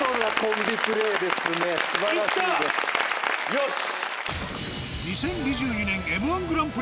よし！